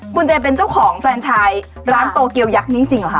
คุณเจเป็นเจ้าของแฟนชายร้านโตเกียวยักษ์นี้จริงเหรอคะ